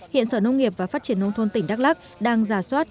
hiện sở nông nghiệp và phát triển nông thôn tỉnh đắk lắc đang giả soát